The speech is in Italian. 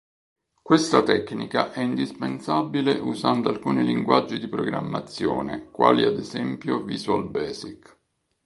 Questa tecnica è indispensabile usando alcuni linguaggi di programmazione, quali ad esempio Visual Basic.